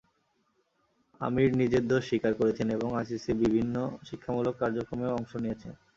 আমির নিজের দোষ স্বীকার করেছেন এবং আইসিসির বিভিন্ন শিক্ষামূলক কার্যক্রমেও অংশ নিয়েছেন।